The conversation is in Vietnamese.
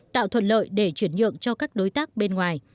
tạo thuận lợi để chuyển nhượng cho các đối tác bên ngoài